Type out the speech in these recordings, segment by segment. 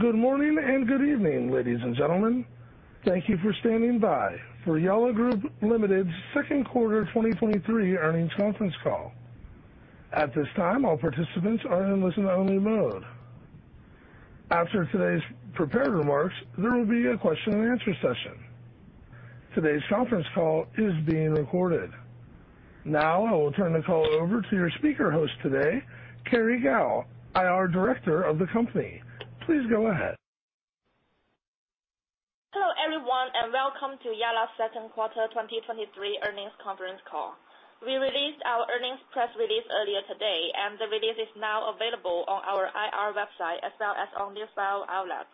Good morning and good evening, ladies and gentlemen. Thank you for standing by for Yalla Group Limited's second quarter 2023 earnings conference call. At this time, all participants are in listen-only mode. After today's prepared remarks, there will be a question and answer session. Today's conference call is being recorded. Now, I will turn the call over to your speaker host today, Kerry Gao, IR Director of the company. Please go ahead. Hello, everyone, welcome to Yalla's Q2 2023 earnings conference call. We released our earnings press release earlier today, and the release is now available on our IR website as well as on new file outlets.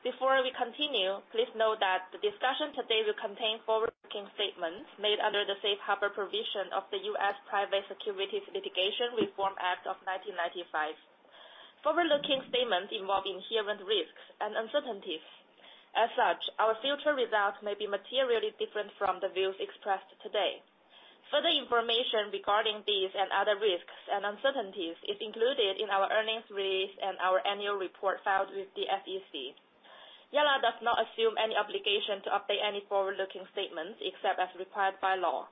Before we continue, please note that the discussion today will contain forward-looking statements made under the Safe Harbor provision of the U.S. Private Securities Litigation Reform Act of 1995. Forward-looking statements involve inherent risks and uncertainties. As such, our future results may be materially different from the views expressed today. Further information regarding these and other risks and uncertainties is included in our earnings release and our annual report filed with the SEC. Yalla does not assume any obligation to update any forward-looking statements except as required by law.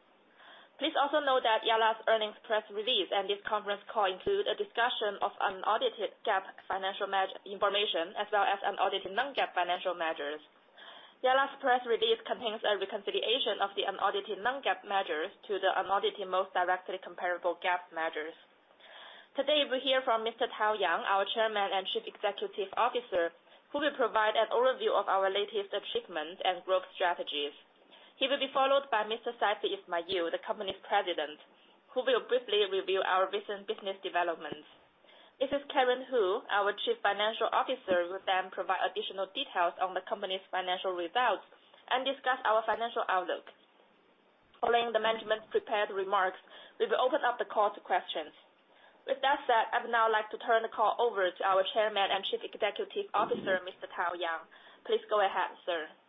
Please also note that Yalla's earnings press release and this conference call include a discussion of unaudited GAAP financial measure information, as well as unaudited non-GAAP financial measures. Yalla's press release contains a reconciliation of the unaudited non-GAAP measures to the unaudited most directly comparable GAAP measures. Today, we hear from Mr. Tao Yang, our Chairman and Chief Executive Officer, who will provide an overview of our latest achievements and growth strategies. He will be followed by Mr. Saifi Ismail, the company's President, who will briefly review our recent business developments. Mrs. Karen Hu, our Chief Financial Officer, will then provide additional details on the company's financial results and discuss our financial outlook. Following the management's prepared remarks, we will open up the call to questions. With that said, I'd now like to turn the call over to our Chairman and Chief Executive Officer, Mr. Tao Yang. Please go ahead, sir. Thank you,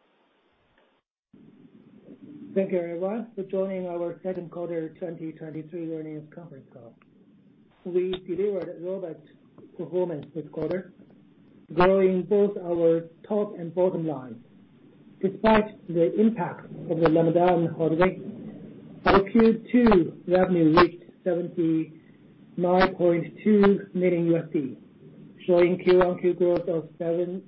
everyone, for joining our Q2 2023 earnings conference call. We delivered robust performance this quarter, growing both our top and bottom line. Despite the impact of the Ramadan holiday, our Q2 revenue reached $79.2 million, showing quarter-over-quarter growth of 7.8%.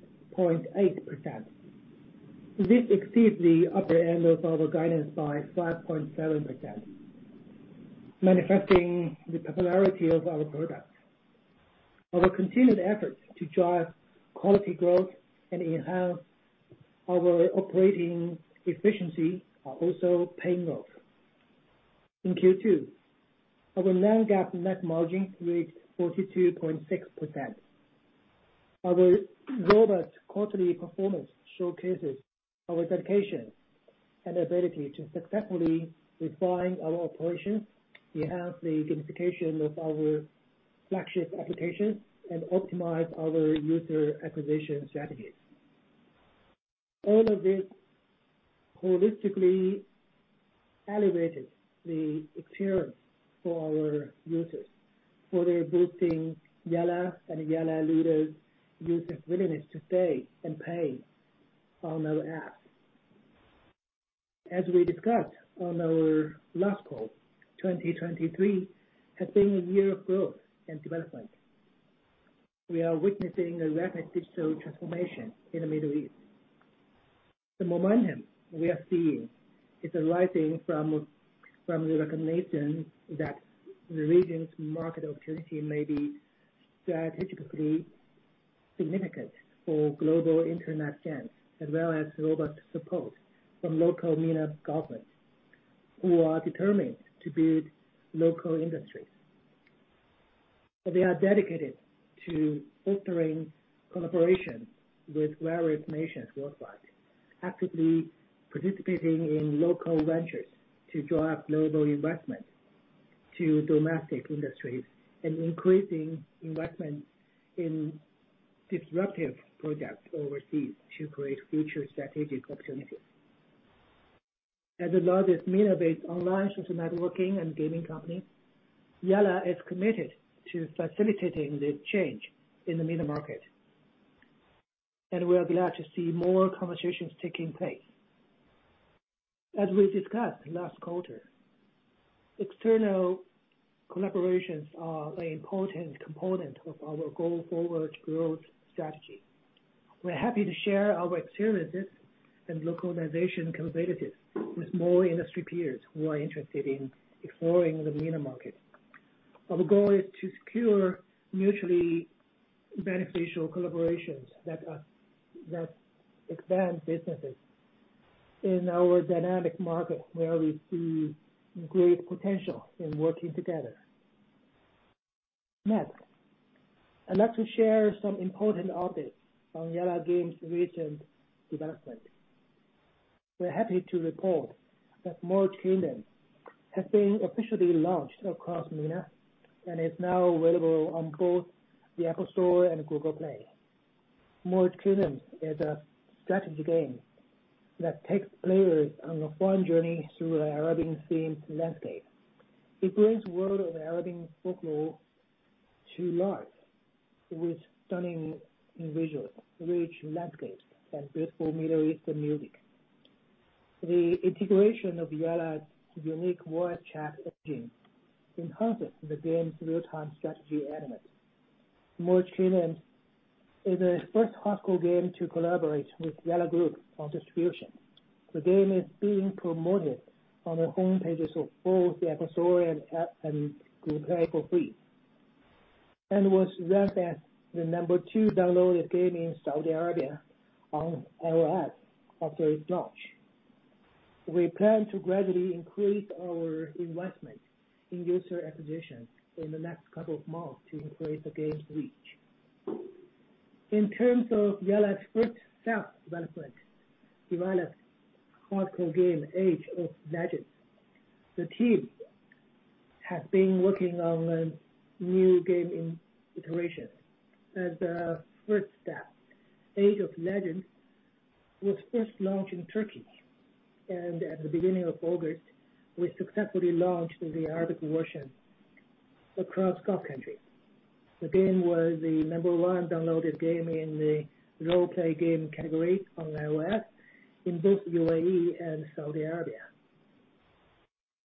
This exceeds the upper end of our guidance by 5.7%, manifesting the popularity of our products. Our continued efforts to drive quality growth and enhance our operating efficiency are also paying off. In Q2, our non-GAAP net margin reached 42.6%. Our robust quarterly performance showcases our dedication and ability to successfully refine our operations, enhance the gamification of our flagship applications, and optimize our user acquisition strategies. All of this holistically elevated the experience for our users, further boosting Yalla and Yalla Ludo users' willingness to stay and pay on our app. As we discussed on our last call, 2023 has been a year of growth and development. We are witnessing a rapid digital transformation in the Middle East. The momentum we are seeing is arising from the recognition that the region's market opportunity may be strategically significant for global internet giants, as well as robust support from local MENA governments, who are determined to build local industries. They are dedicated to fostering collaboration with various nations worldwide, actively participating in local ventures to drive global investment to domestic industries, and increasing investment in disruptive products overseas to create future strategic opportunities. As the largest MENA-based online social networking and gaming company, Yalla is committed to facilitating this change in the MENA market, and we are glad to see more conversations taking place. As we discussed last quarter, external collaborations are an important component of our going forward growth strategy. We're happy to share our experiences and localization competitive with more industry peers who are interested in exploring the MENA market. Our goal is to secure mutually beneficial collaborations that expand businesses in our dynamic market, where we see great potential in working together. Next, I'd like to share some important updates on Yalla Game's recent development. We're happy to report that Merge Kingdoms has been officially launched across MENA and is now available on both the App Store and Google Play. Merge Kingdoms is a strategy game that takes players on a fun journey through an Arabian-themed landscape. It brings world of Arabian folklore to life with stunning visuals, rich landscapes, and beautiful Middle Eastern music. The integration of Yalla's unique voice chat engine enhances the game's real-time strategy elements. Merge Kingdoms is the first hardcore game to collaborate with Yalla Group on distribution. The game is being promoted on the home pages of both the App Store and Google Play for free, and was ranked as the number 2 downloaded game in Saudi Arabia on iOS after its launch. We plan to gradually increase our investment in user acquisition in the next couple of months to increase the game's reach. In terms of Yalla's first self-developed hardcore game, Age of Legends, the team has been working on a new game in iteration. As a first step, Age of Legends was first launched in Turkey, and at the beginning of August, we successfully launched the Arabic version across Gulf countries. The game was the number 1 downloaded game in the role-play game category on iOS in both UAE and Saudi Arabia.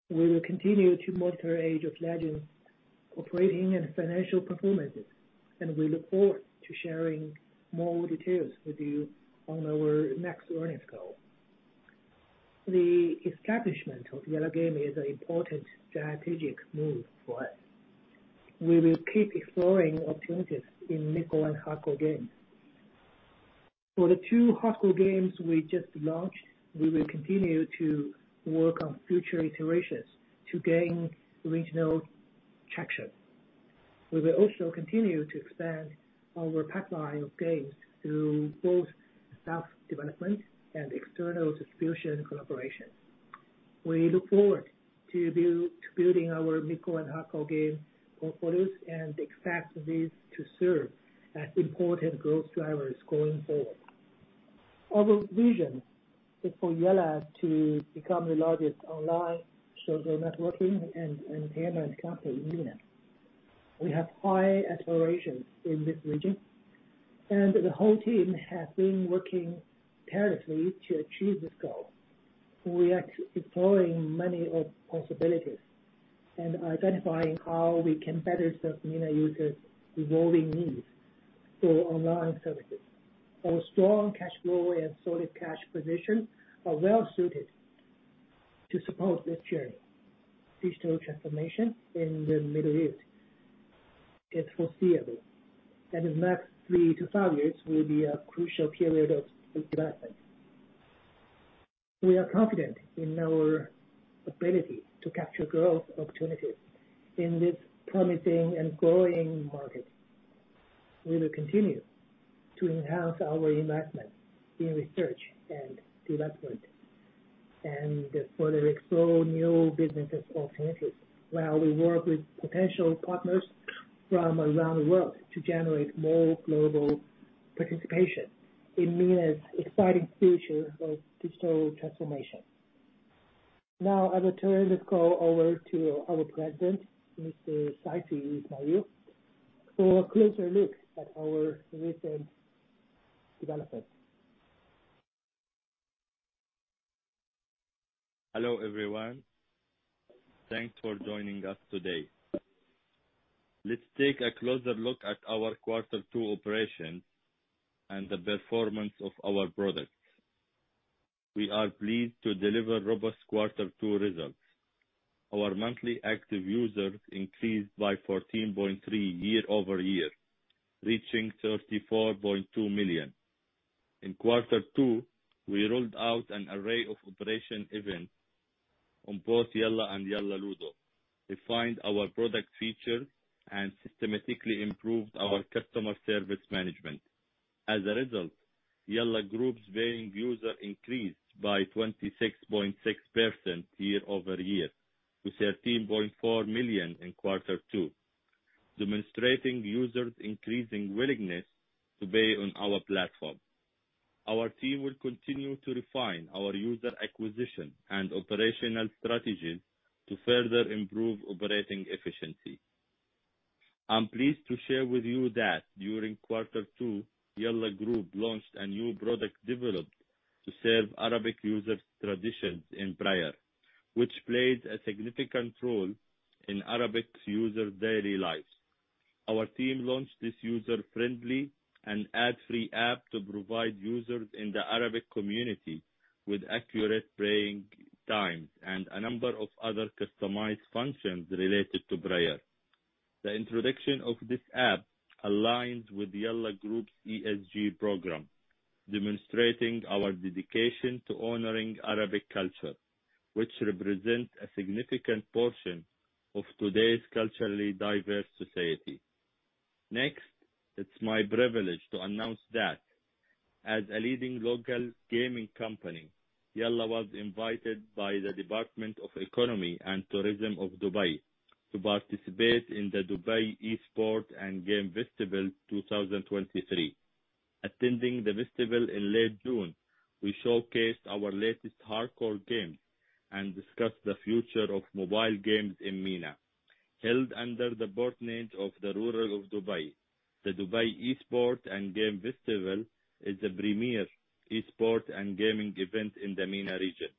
We will continue to monitor Age of Legends operating and financial performances, and we look forward to sharing more details with you on our next earnings call. The establishment of Yalla Game is an important strategic move for us. We will keep exploring opportunities in mid-core and hardcore games. For the two hardcore games we just launched, we will continue to work on future iterations to gain regional traction. We will also continue to expand our pipeline of games through both self-development and external distribution collaboration. We look forward to building our mid-core and hardcore game portfolios, and expect these to serve as important growth drivers going forward. Our vision is for Yalla to become the largest online social networking and entertainment company in MENA. We have high aspirations in this region, and the whole team has been working tirelessly to achieve this goal. We are exploring many of possibilities and identifying how we can better serve MENA users' evolving needs for online services. Our strong cash flow and solid cash position are well suited to support this journey. Digital transformation in the Middle East is foreseeable, and the next three to five years will be a crucial period of development. We are confident in our ability to capture growth opportunities in this promising and growing market. We will continue to enhance our investment in research and development, and further explore new business opportunities, while we work with potential partners from around the world to generate more global participation in MENA's exciting future of digital transformation. Now, I will turn this call over to our President, Mr. Saifi Ismail, for a closer look at our recent development. Hello, everyone. Thanks for joining us today. Let's take a closer look at our Quarter two operations and the performance of our products. We are pleased to deliver robust Quarter two results. Our monthly active users increased by 14.3 year-over-year, reaching 34.2 million. In Quarter two, we rolled out an array of operation events on both Yalla and Yalla Ludo, refined our product features, and systematically improved our customer service management. As a result, Yalla Group's paying user increased by 26.6% year-over-year, to 13.4 million in Quarter two, demonstrating users' increasing willingness to pay on our platform. Our team will continue to refine our user acquisition and operational strategies to further improve operating efficiency. I'm pleased to share with you that during Quarter two, Yalla Group launched a new product developed to serve Arabic users' traditions in prayer, which plays a significant role in Arabic user daily lives. Our team launched this user-friendly and ad-free app to provide users in the Arabic community with accurate praying times and a number of other customized functions related to prayer. The introduction of this app aligns with Yalla Group's ESG program, demonstrating our dedication to honoring Arabic culture, which represents a significant portion of today's culturally diverse society. Next, it's my privilege to announce that as a leading local gaming company, Yalla was invited by the Department of Economy and Tourism of Dubai to participate in the Dubai Esports and Games Festival 2023. Attending the festival in late June, we showcased our latest hardcore games and discussed the future of mobile games in MENA. Held under the patronage of the ruler of Dubai, the Dubai Esports and Games Festival is the premier esports and gaming event in the MENA region.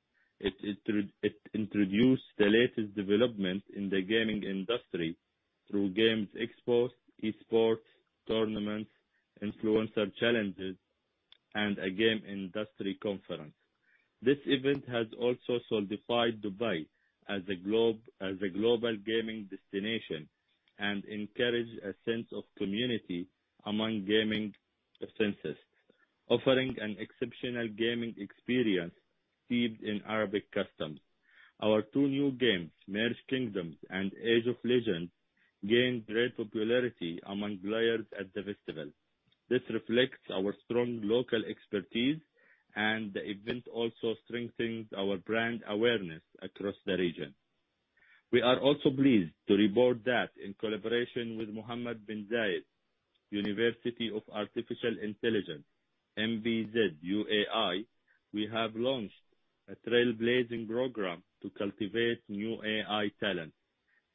It introduced the latest developments in the gaming industry through games expos, esports tournaments, influencer challenges, and a game industry conference. This event has also solidified Dubai as a global gaming destination and encouraged a sense of community among gaming enthusiasts, offering an exceptional gaming experience steeped in Arabic customs. Our 2 new games, Merge Kingdoms and Age of Legends, gained great popularity among players at the festival. This reflects our strong local expertise. The event also strengthens our brand awareness across the region. We are also pleased to report that in collaboration with Mohamed bin Zayed University of Artificial Intelligence, MBZUAI, we have launched a trailblazing program to cultivate new AI talent.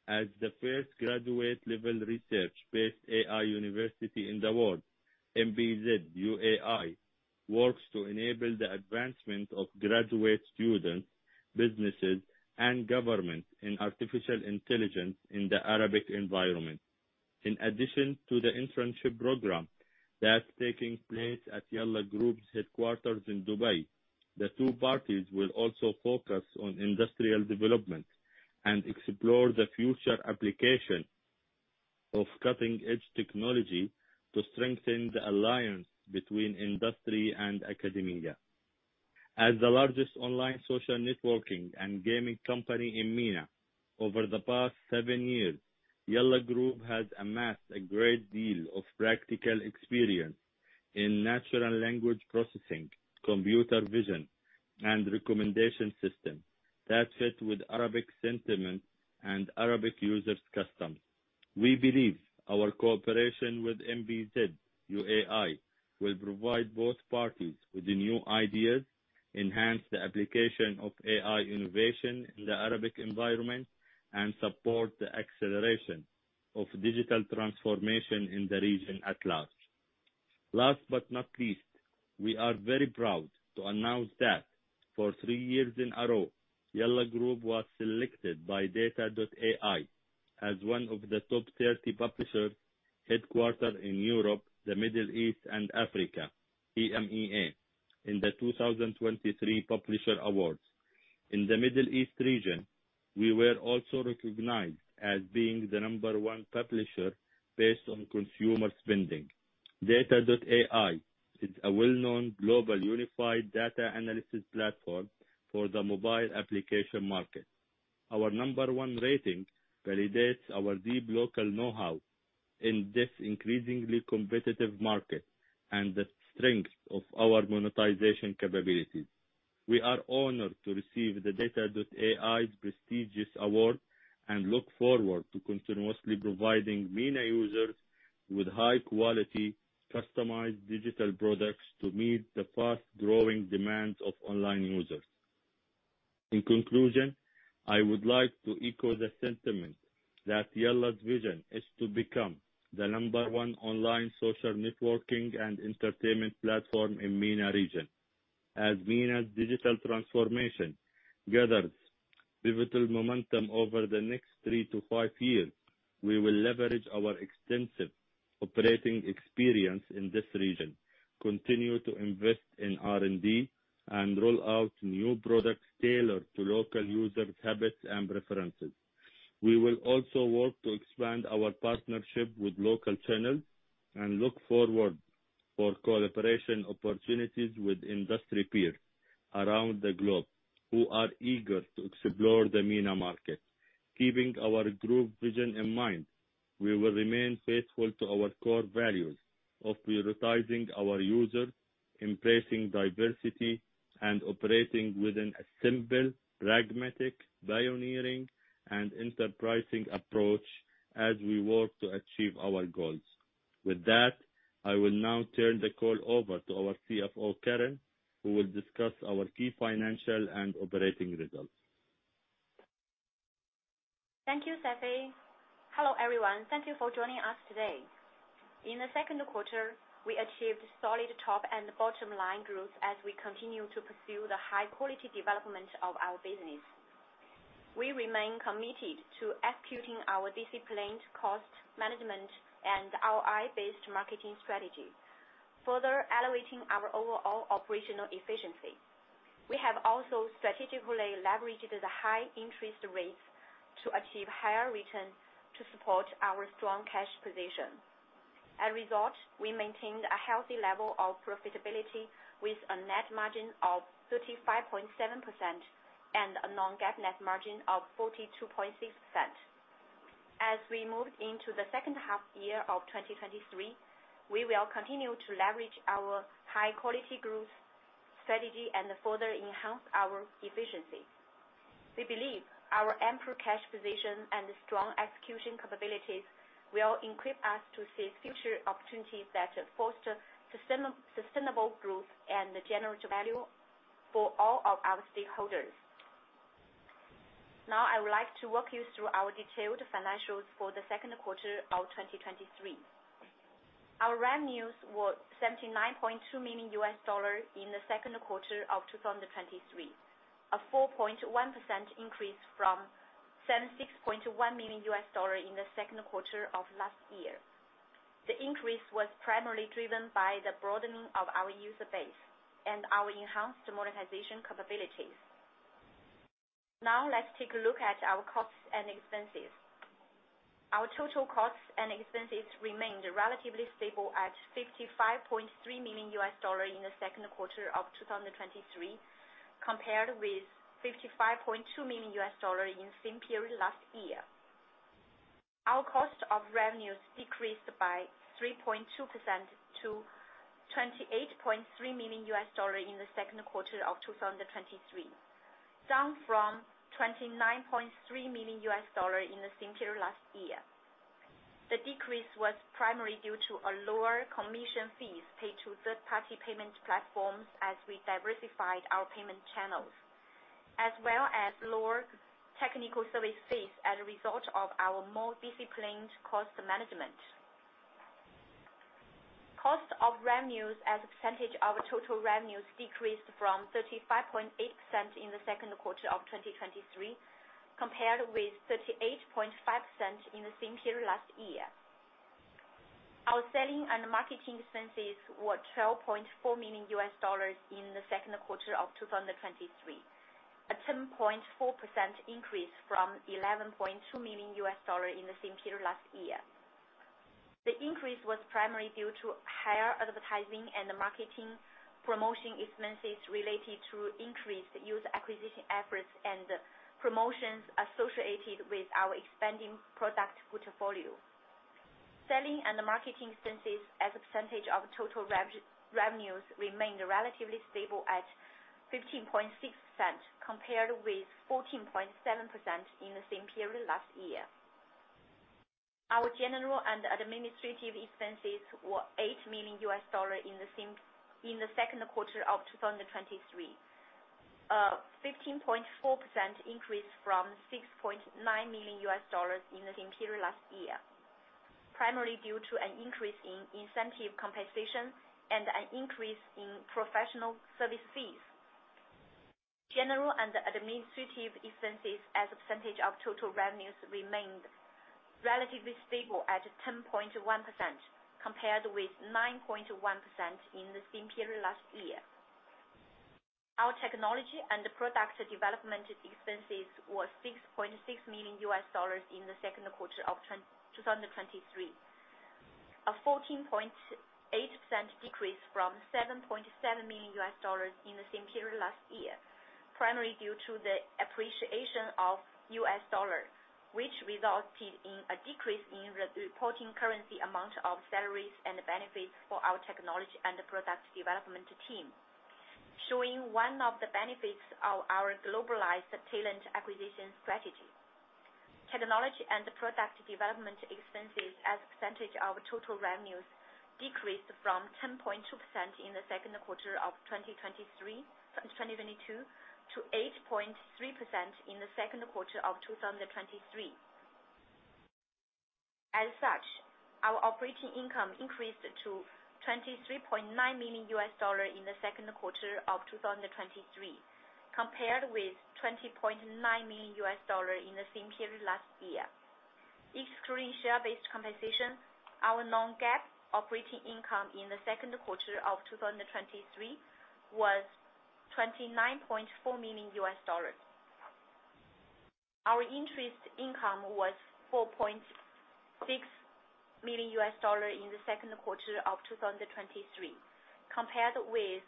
As the first graduate-level research-based AI university in the world, MBZUAI works to enable the advancement of graduate students, businesses, and governments in artificial intelligence in the Arabic environment. In addition to the internship program that's taking place at Yalla Group's headquarters in Dubai, the two parties will also focus on industrial development and explore the future application of cutting-edge technology to strengthen the alliance between industry and academia. As the largest online social networking and gaming company in MENA, over the past 7 years, Yalla Group has amassed a great deal of practical experience in natural language processing, computer vision, and recommendation system that fit with Arabic sentiment and Arabic users' customs. We believe our cooperation with MBZUAI will provide both parties with new ideas, enhance the application of AI innovation in the Arabic environment, and support the acceleration of digital transformation in the region at large. Last but not least, we are very proud to announce that for three years in a row, Yalla Group was selected by data.ai as one of the top 30 publishers headquartered in Europe, the Middle East, and Africa, EMEA, in the 2023 Publisher Awards. In the Middle East region, we were also recognized as being the number one publisher based on consumer spending. data.ai is a well-known global unified data analysis platform for the mobile application market. Our number one rating validates our deep local know-how in this increasingly competitive market and the strength of our monetization capabilities. We are honored to receive the data.ai prestigious award and look forward to continuously providing MENA users with high-quality, customized digital products to meet the fast-growing demands of online users. In conclusion, I would like to echo the sentiment that Yalla's vision is to become the number one online social networking and entertainment platform in MENA region. As MENA's digital transformation gathers pivotal momentum over the next three to five years, we will leverage our extensive operating experience in this region, continue to invest in R&D, and roll out new products tailored to local users' habits and preferences. We will also work to expand our partnership with local channels and look forward for collaboration opportunities with industry peers around the globe, who are eager to explore the MENA market. Keeping our group vision in mind, we will remain faithful to our core values of prioritizing our users, embracing diversity, and operating within a simple, pragmatic, pioneering, and enterprising approach as we work to achieve our goals. With that, I will now turn the call over to our CFO, Karen, who will discuss our key financial and operating results. Thank you, Saifi. Hello, everyone. Thank you for joining us today. In the second quarter, we achieved solid top and bottom line growth as we continue to pursue the high-quality development of our business. We remain committed to executing our disciplined cost management and ROI-based marketing strategy, further elevating our overall operational efficiency. We have also strategically leveraged the high interest rates to achieve higher returns to support our strong cash position. As a result, we maintained a healthy level of profitability with a net margin of 35.7% and a non-GAAP net margin of 42.6%. As we move into the second half year of 2023, we will continue to leverage our high-quality growth strategy and further enhance our efficiency.... We believe our ample cash position and strong execution capabilities will equip us to seize future opportunities that foster sustainable growth and generate value for all of our stakeholders. Now, I would like to walk you through our detailed financials for the second quarter of 2023. Our revenues were $79.2 million in the second quarter of 2023, a 4.1% increase from $76.1 million in the second quarter of last year. The increase was primarily driven by the broadening of our user base and our enhanced monetization capabilities. Now, let's take a look at our costs and expenses. Our total costs and expenses remained relatively stable at $55.3 million in the second quarter of 2023, compared with $55.2 million in the same period last year. Our cost of revenues decreased by 3.2% to $28.3 million in the second quarter of 2023, down from $29.3 million in the same period last year. The decrease was primarily due to a lower commission fees paid to third-party payment platforms as we diversified our payment channels, as well as lower technical service fees as a result of our more disciplined cost management. Cost of revenues as a percentage of total revenues decreased from 35.8% in the second quarter of 2023, compared with 38.5% in the same period last year. Our selling and marketing expenses were $12.4 million in the second quarter of 2023, a 10.4% increase from $11.2 million in the same period last year. The increase was primarily due to higher advertising and marketing promotion expenses related to increased user acquisition efforts and promotions associated with our expanding product portfolio. Selling and marketing expenses as a percentage of total revenues remained relatively stable at 15.6%, compared with 14.7% in the same period last year. Our general and administrative expenses were $8 million in the second quarter of 2023. 15.4% increase from $6.9 million U.S. dollars in the same period last year, primarily due to an increase in incentive compensation and an increase in professional service fees. General and administrative expenses as a percentage of total revenues remained relatively stable at 10.1%, compared with 9.1% in the same period last year. Our technology and product development expenses were $6.6 million U.S. dollars in the second quarter 2023, a 14.8% decrease from $7.7 million U.S. dollars in the same period last year, primarily due to the appreciation of U.S. dollar, which resulted in a decrease in the reporting currency amount of salaries and benefits for our technology and product development team, showing one of the benefits of our globalized talent acquisition strategy. Technology and product development expenses as a percentage of total revenues decreased from 10.2% in the second quarter of 2022 to 8.3% in the second quarter of 2023. Our operating income increased to $23.9 million in the second quarter of 2023, compared with $20.9 million in the same period last year. Excluding share-based compensation, our non-GAAP operating income in the second quarter of 2023 was $29.4 million. Our interest income was $4.6 million in the second quarter of 2023, compared with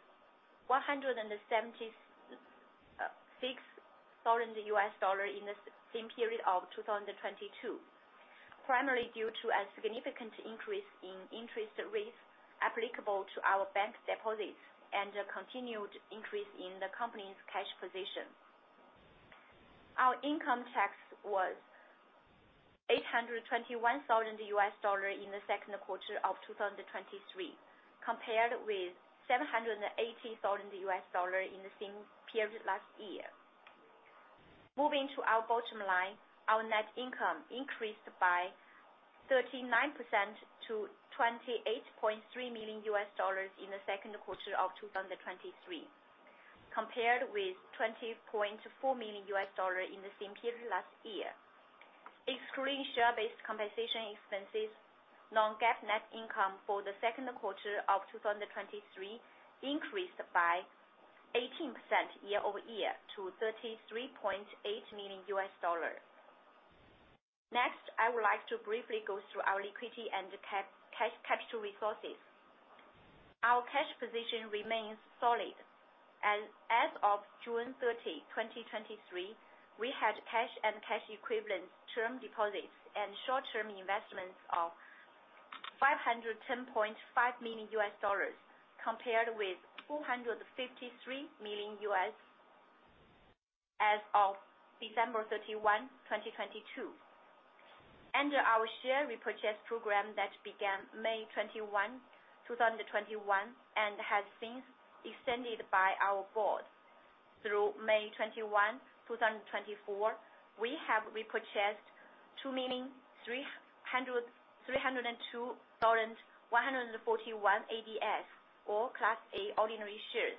$176,000 in the same period of 2022, primarily due to a significant increase in interest rates applicable to our bank deposits and a continued increase in the company's cash position. Our income tax was $821,000 in the second quarter of 2023, compared with $780,000 in the same period last year. Moving to our bottom line, our net income increased by 39% to $28.3 million in the second quarter of 2023, compared with $20.4 million in the same period last year. Excluding share-based compensation expenses, non-GAAP net income for the second quarter of 2023 increased by 18% year-over-year to $33.8 million. Next, I would like to briefly go through our liquidity and cash, cash resources. Our cash position remains solid. As of June 30, 2023, we had cash and cash equivalents, term deposits, and short-term investments of $510.5 million, compared with $253 million as of December 31, 2022. Under our share repurchase program that began May 21, 2021, and has since extended by our board through May 21, 2024, we have repurchased 2,302,141 ADS, or Class A ordinary shares,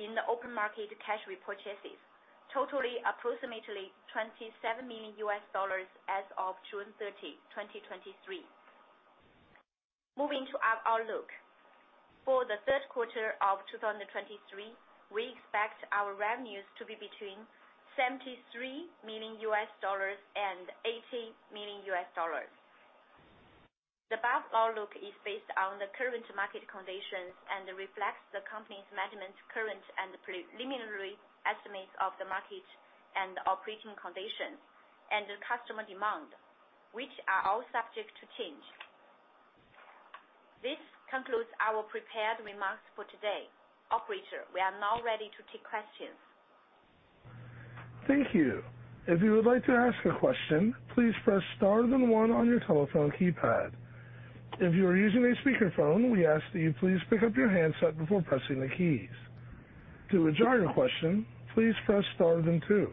in the open market cash repurchases, totaling approximately $27 million as of June 30, 2023. Moving to our outlook. For the 3rd quarter of 2023, we expect our revenues to be between $73 million and $80 million. The above outlook is based on the current market conditions and reflects the company's management's current and preliminary estimates of the market and operating conditions and the customer demand, which are all subject to change. This concludes our prepared remarks for today. Operator, we are now ready to take questions. Thank you. If you would like to ask a question, please press star then one on your telephone keypad. If you are using a speakerphone, we ask that you please pick up your handset before pressing the keys. To adjourn your question, please press star then two.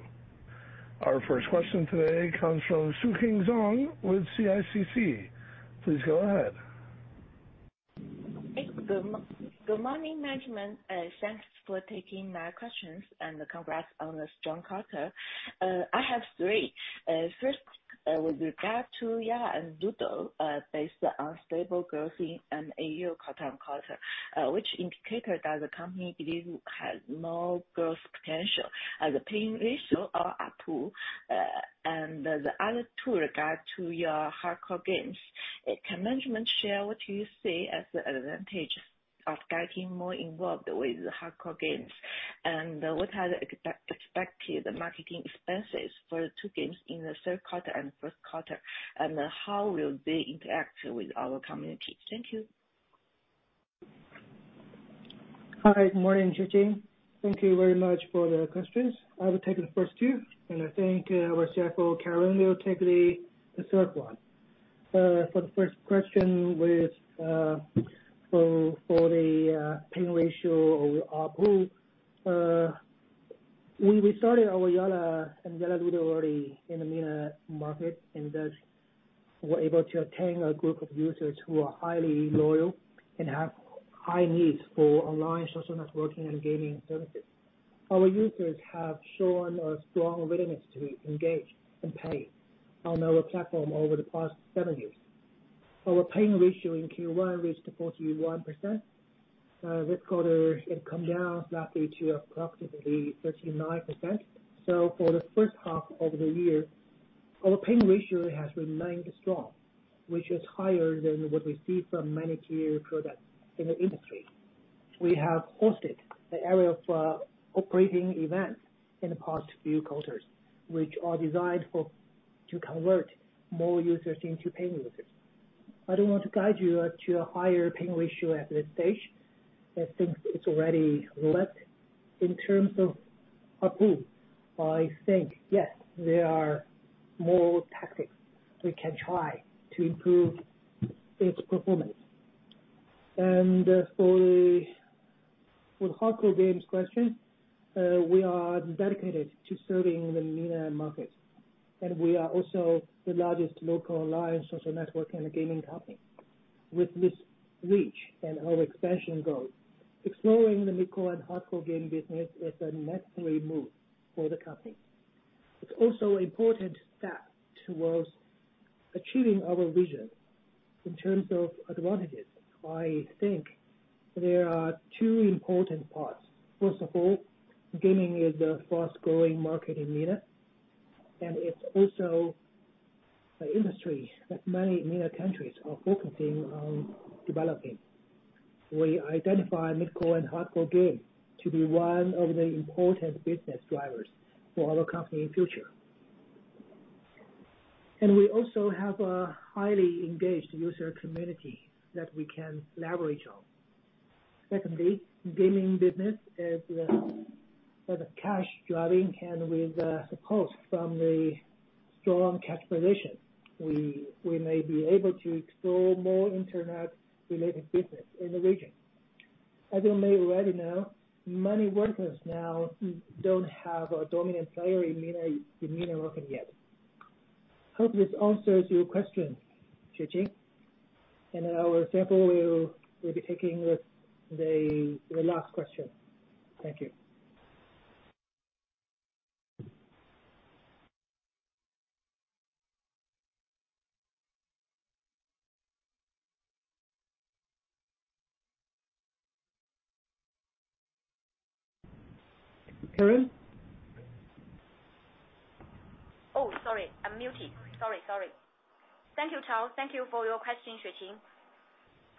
Our first question today comes from Xueqing Zhang with CICC. Please go ahead. Thank you. Good morning, management, thanks for taking my questions, and congrats on the strong quarter. I have three. First, with regard to Yalla and Ludo, based on stable growth in MAU quarter-on-quarter, which indicator does the company believe has more growth potential as a paying ratio or ARPU? The other two regard to your hardcore games. Can management share what you see as the advantage of getting more involved with the hardcore games? What are the expected marketing expenses for the two games in the Q3 and Q1, and how will they interact with our community? Thank you. Hi, good morning, Xueqing. Thank you very much for the questions. I will take the first two, I think our CFO, Karen, will take the, the third one. For the first question with, for, for the, paying ratio or ARPU, we started our Yalla and Yalla Ludo already in the MENA market, thus we're able to attain a group of users who are highly loyal and have high needs for online social networking and gaming services. Our users have shown a strong willingness to engage and pay on our platform over the past seven years. Our paying ratio in Q1 reached 41%. This quarter, it come down slightly to approximately 39%. For the first half of the year, our paying ratio has remained strong, which is higher than what we see from many tier products in the industry. We have hosted a array of operating events in the past few quarters, which are designed for, to convert more users into paying users. I don't want to guide you to a higher paying ratio at this stage. I think it's already low. In terms of ARPU, I think, yes, there are more tactics we can try to improve its performance. For the, for the hardcore games question, we are dedicated to serving the MENA market, and we are also the largest local online social network and a gaming company. With this reach and our expansion growth, exploring the mid-core and hardcore gaming business is a necessary move for the company. It's also important step towards achieving our vision. In terms of advantages, I think there are two important parts. First of all, gaming is a fast-growing market in MENA, and it's also an industry that many MENA countries are focusing on developing. We identify mid-core and hardcore game to be one of the important business drivers for our company in future. We also have a highly engaged user community that we can leverage on. Secondly, gaming business is a cash driving, and with support from the strong cash position, we may be able to explore more internet-related business in the region. As you may already know, many workers now don't have a dominant player in MENA, in MENA market yet. Hope this answers your question, Xueqing. Our CFO will be taking the last question. Thank you. Karen? Oh, sorry, I'm muted. Sorry, sorry. Thank you, Chao. Thank you for your question, Xueqing.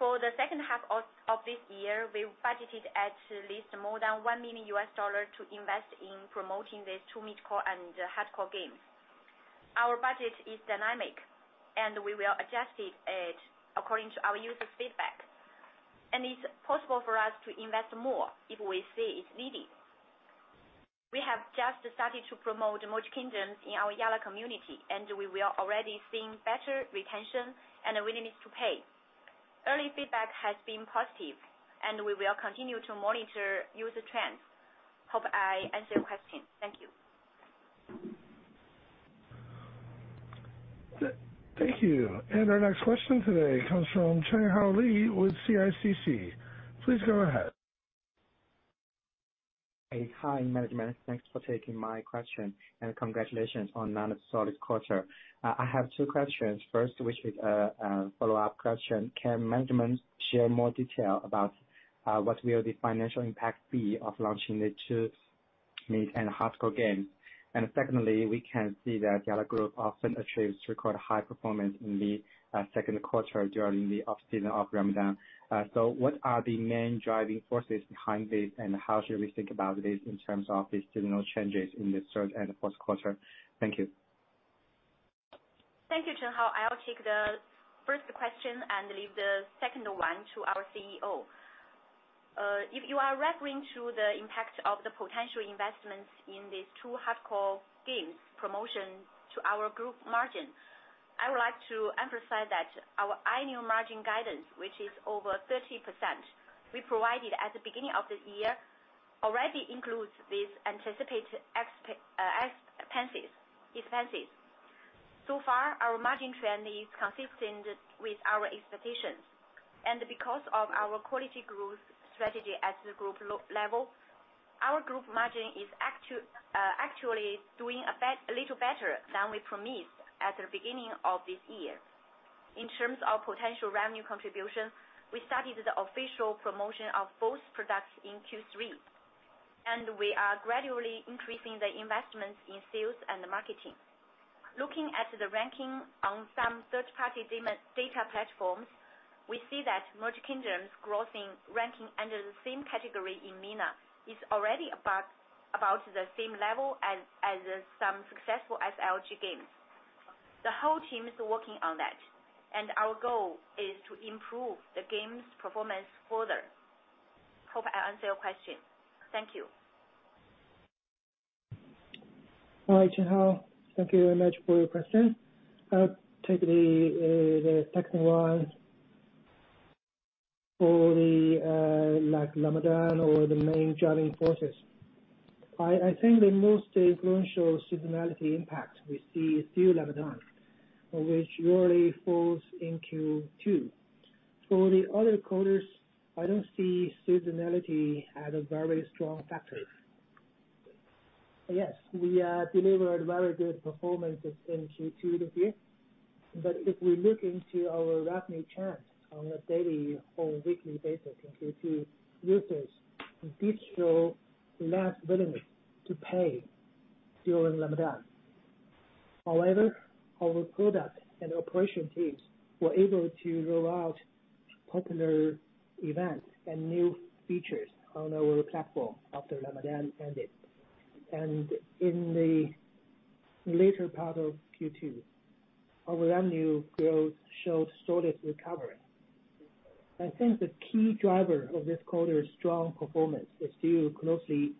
For the second half of this year, we budgeted at least more than $1 million to invest in promoting these two mid-core and hardcore games. Our budget is dynamic. We will adjust it according to our user's feedback. It's possible for us to invest more if we see it's needed. We have just started to promote Merge Kingdoms in our Yalla community. We are already seeing better retention and willingness to pay. Early feedback has been positive. We will continue to monitor user trends. Hope I answered your question. Thank you. Thank you. Our next question today comes from Chenghao Li with CICC. Please go ahead. Hey. Hi, management. Thanks for taking my question and congratulations on another solid quarter. I have two questions. First, which is a follow-up question: Can management share more detail about what will the financial impact be of launching the two mid and hardcore games? Secondly, we can see that Yalla Group often achieves record high performance in the second quarter during the off-season of Ramadan. What are the main driving forces behind this, and how should we think about this in terms of the seasonal changes in the third and Q4? Thank you. Thank you, Chenghao. I'll take the first question and leave the second one to our CEO. If you are referring to the impact of the potential investments in these two hardcore games promotion to our group margin, I would like to emphasize that our annual margin guidance, which is over 30%, we provided at the beginning of the year, already includes these anticipated expenses. Far, our margin trend is consistent with our expectations, and because of our quality growth strategy at the group level, our group margin is actually doing a little better than we promised at the beginning of this year. In terms of potential revenue contribution, we started the official promotion of both products in Q3, and we are gradually increasing the investments in sales and marketing. Looking at the ranking on some third-party data platforms, we see that Merge Kingdoms growth in ranking under the same category in MENA is already about the same level as some successful SLG games. The whole team is working on that, and our goal is to improve the game's performance further. Hope I answered your question. Thank you. Hi, Chenghao. Thank you very much for your question. I'll take the second one. For the like, Ramadan or the main driving forces. I, I think the most influential seasonality impact we see is still Ramadan, which usually falls in Q2. For the other quarters, I don't see seasonality as a very strong factor. Yes, we delivered very good performances in Q2 this year, but if we look into our revenue trends on a daily or weekly basis, we see users did show less willingness to pay during Ramadan. However, our product and operation teams were able to roll out popular events and new features on our platform after Ramadan ended. In the later part of Q2, our revenue growth showed solid recovery. I think the key driver of this quarter's strong performance is still closely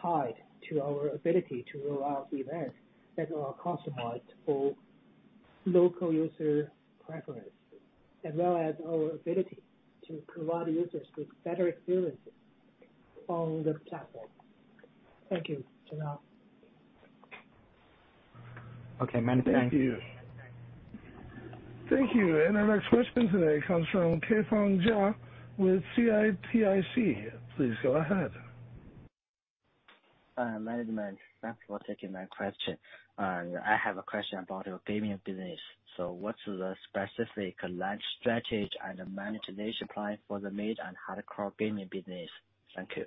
tied to our ability to roll out events that are customized for local user preferences, as well as our ability to provide users with better experiences on the platform. Thank you, Chenghao. Okay, management, thank you. Thank you. Thank you, our next question today comes from Kaifang Jia with CITIC. Please go ahead. Management, thanks for taking my question. I have a question about your gaming business. What's the specific launch strategy and the monetization plan for the mid and hardcore gaming business? Thank you.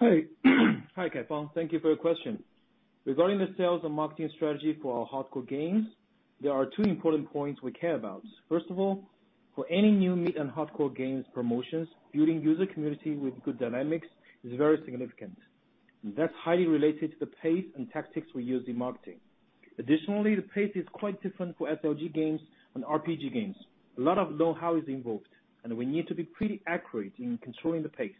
Hi, Kaifang. Thank you for your question. Regarding the sales and marketing strategy for our hardcore games, there are two important points we care about. First of all, for any new mid and hardcore games promotions, building user community with good dynamics is very significant. That's highly related to the pace and tactics we use in marketing. Additionally, the pace is quite different for SLG games and RPG games. A lot of know-how is involved, and we need to be pretty accurate in controlling the pace.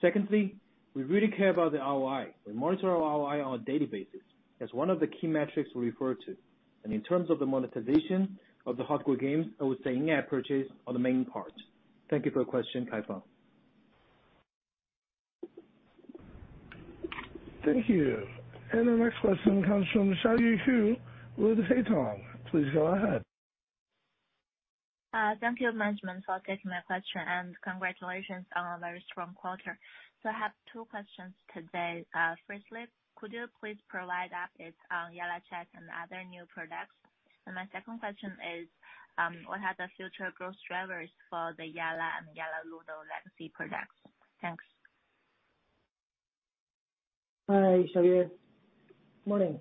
Secondly, we really care about the ROI. We monitor our ROI on a daily basis as one of the key metrics we refer to. In terms of the monetization of the hardcore games, I would say in-app purchase are the main part. Thank you for your question, Kaifang. Thank you. Our next question comes from Xiaoyue Hu with Haitong. Please go ahead. Thank you, management, for taking my question, and congratulations on a very strong quarter. I have two questions today. Firstly, could you please provide updates on YallaChat and other new products? My second question is, what are the future growth drivers for the Yalla and Yalla Ludo legacy products? Thanks. ... Hi, Xiaoyue. Morning.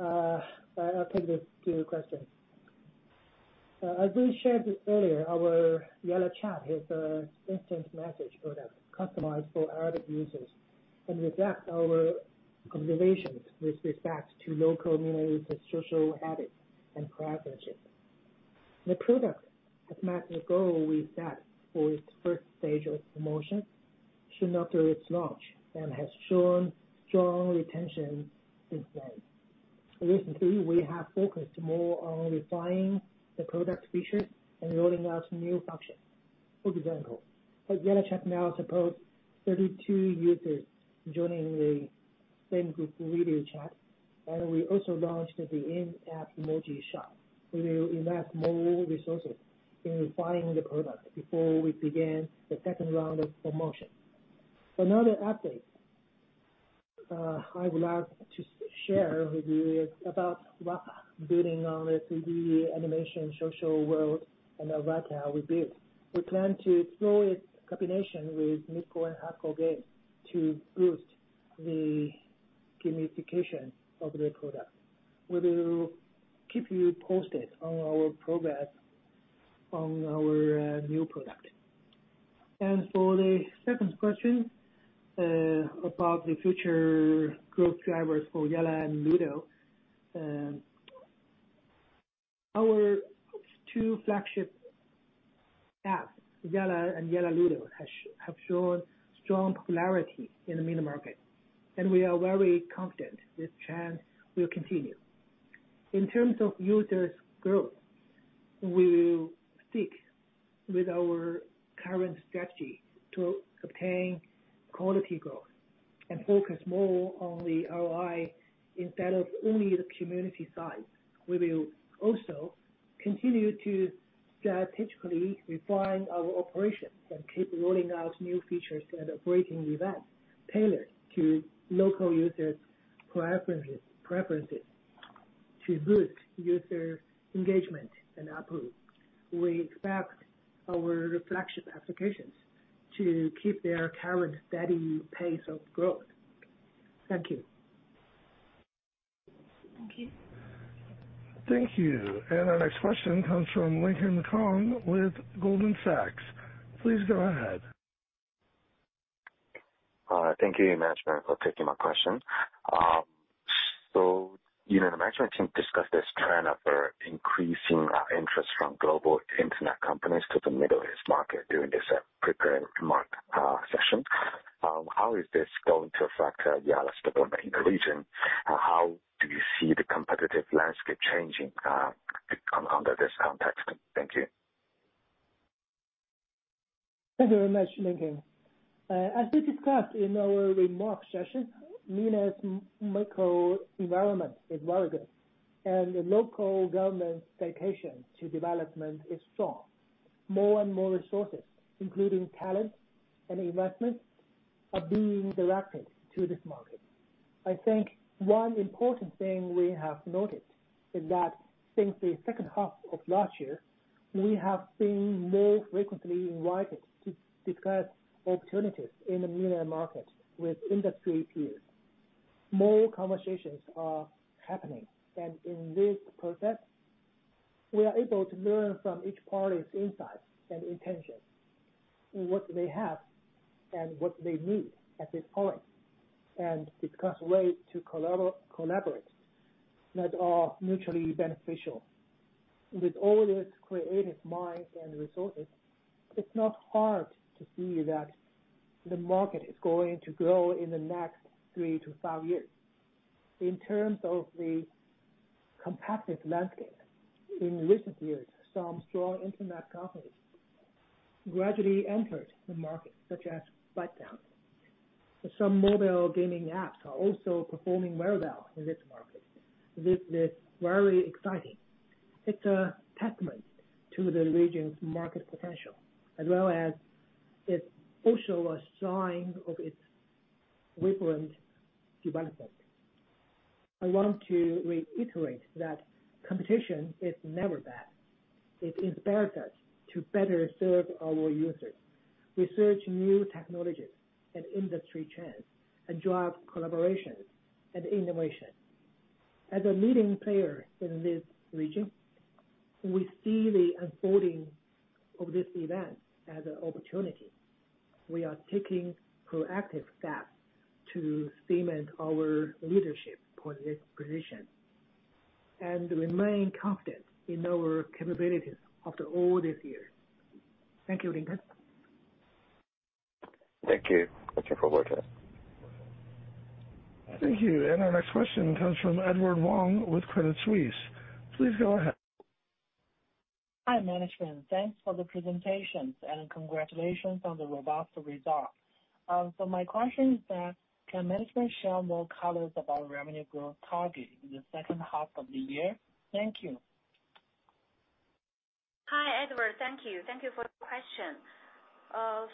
I, I'll take the question. As we shared earlier, our YallaChat is an instant message product customized for Arabic users and reflects our observations with respect to local users' social habits and preferences. The product has met the goal we set for its first stage of promotion soon after its launch, and has shown strong retention since then. Recently, we have focused more on refining the product features and rolling out new functions. For example, our YallaChat now supports 32 users joining the same group video chat, and we also launched the in-app emoji shop. We will invest more resources in refining the product before we begin the second round of promotion. Another update I would like to share with you is about Waha, building on a 3D animation social world and avatar we built. We plan to explore its combination with mid-core and hardcore games to boost the gamification of the product. We will keep you posted on our progress on our new product. For the second question, about the future growth drivers for Yalla and Yalla Ludo. Our two flagship apps, Yalla and Yalla Ludo, have shown strong popularity in the MENA market, and we are very confident this trend will continue. In terms of users growth, we will stick with our current strategy to obtain quality growth and focus more on the ROI instead of only the community size. We will also continue to strategically refine our operations and keep rolling out new features and operating events tailored to local users preferences to boost user engagement and output. We expect our reflection applications to keep their current steady pace of growth. Thank you. Thank you. Thank you. Our next question comes from Lincoln Kong with Goldman Sachs. Please go ahead. Thank you, management, for taking my question. You know, the management team discussed this trend of increasing interest from global internet companies to the Middle East market during this prepared remark session. How is this going to affect Yalla's development in the region, and how do you see the competitive landscape changing under this context? Thank you. Thank you very much, Lincoln. As we discussed in our remarks session, MENA's micro environment is very good, the local government dedication to development is strong. More and more resources, including talent and investment, are being directed to this market. I think one important thing we have noticed is that since the second half of last year, we have been more frequently invited to discuss opportunities in the MENA market with industry peers. More conversations are happening, in this process, we are able to learn from each party's insights and intentions, what they have and what they need at this point, and discuss ways to collaborate that are mutually beneficial. With all these creative minds and resources, it's not hard to see that the market is going to grow in the next three to five years. In terms of the competitive landscape, in recent years, some strong internet companies gradually entered the market, such as ByteDance. Some mobile gaming apps are also performing very well in this market. This is very exciting. It's a testament to the region's market potential, as well as it's also a sign of its vibrant development. I want to reiterate that competition is never bad. It inspires us to better serve our users, research new technologies and industry trends, and drive collaborations and innovation. As a leading player in this region, we see the unfolding of this event as an opportunity. We are taking proactive steps to cement our leadership position and remain confident in our capabilities after all this year. Thank you, Lincoln. Thank you. Thank you for working. Thank you. Our next question comes from Edward Wong with Credit Suisse. Please go ahead. Hi, management. Thanks for the presentations, and congratulations on the robust results. My question is that, can management share more colors about revenue growth target in the second half of the year? Thank you. Hi, Edward. Thank you. Thank you for the question.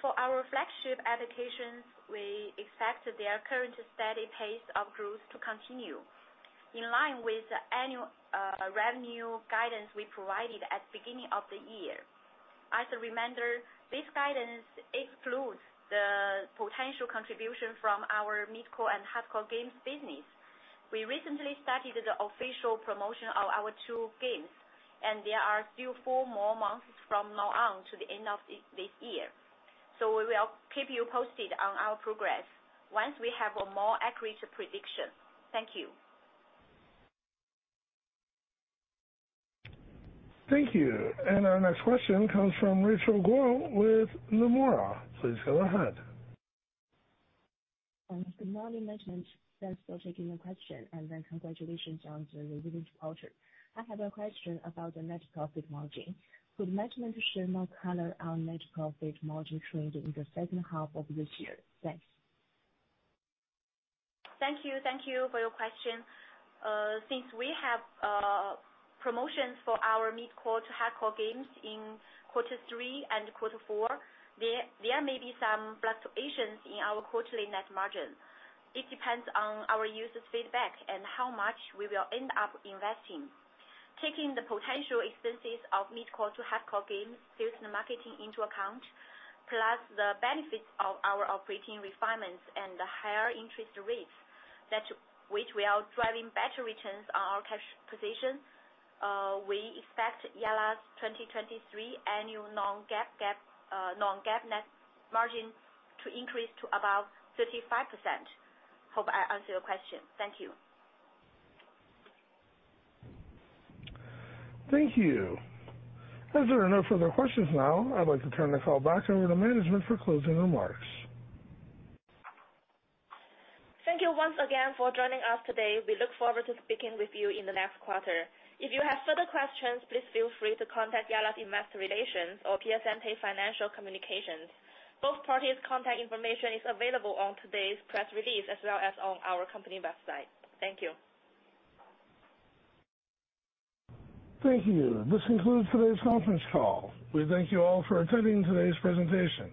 For our flagship applications, we expect their current steady pace of growth to continue in line with the annual revenue guidance we provided at beginning of the year. As a reminder, this guidance excludes the potential contribution from our mid-core and hardcore games business. We recently started the official promotion of our two games, and there are still four more months from now on to the end of this year. We will keep you posted on our progress once we have a more accurate prediction. Thank you. Thank you. Our next question comes from Rachel Guo with Nomura. Please go ahead. Good morning, management. Thanks for taking the question, and then congratulations on the recent quarter. I have a question about the net profit margin. Could management share more color on net profit margin trend in the second half of this year? Thanks. Thank you. Thank you for your question. Since we have promotions for our mid-core to hardcore games in quarter three and quarter four, there may be some fluctuations in our quarterly net margin. It depends on our users' feedback and how much we will end up investing. Taking the potential expenses of mid-core to hardcore games sales and marketing into account, plus the benefits of our operating refinements and the higher interest rates, that which we are driving better returns on our cash position, we expect Yalla's 2023 annual non-GAAP, GAAP, non-GAAP net margin to increase to about 35%. Hope I answered your question. Thank you. Thank you. As there are no further questions now, I'd like to turn the call back over to management for closing remarks. Thank you once again for joining us today. We look forward to speaking with you in the next quarter. If you have further questions, please feel free to contact Yalla Investor Relations or Piacente Financial Communications. Both parties' contact information is available on today's press release, as well as on our company website. Thank you. Thank you. This concludes today's conference call. We thank you all for attending today's presentation.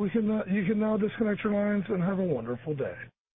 You can now disconnect your lines and have a wonderful day.